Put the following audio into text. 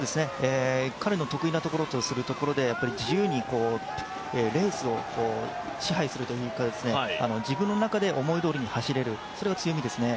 彼の得意なところとするところで、自由にレースを支配するというか、自分の中で思いどおりに走れる、それが強みですね。